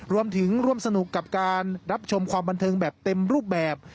รวมถึงร่วมสนุกกับการรับชมความบันเทิงแบบเต็มรูปแบบ